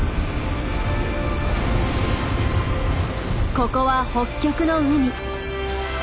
ここは北極の海。